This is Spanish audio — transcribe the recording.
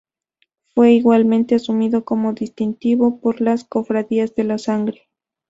Fue igualmente asumido como distintivo por las cofradías de la Sangre.